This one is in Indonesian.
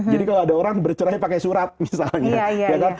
jadi kalau ada orang bercerai pakai surat misalnya